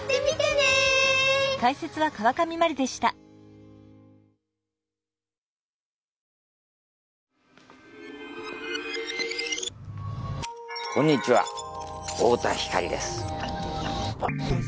ぜひこんにちは太田光です。